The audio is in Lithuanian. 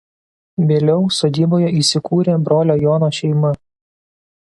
Vėliau sodyboje įsikūrė brolio Jono šeima.